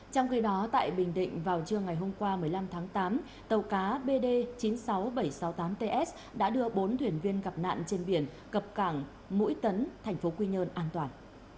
trong khi đó tại bình định vào trưa ngày hôm qua một mươi năm tháng tám tàu cá bd chín mươi sáu nghìn bảy trăm sáu mươi tám ts đã đưa bốn thuyền viên gặp nạn trên biển cập cảng mũi tấn thành phố quy nhơn an toàn